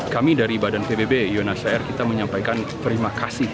kami dari badan pbb yonasair kita menyampaikan terima kasih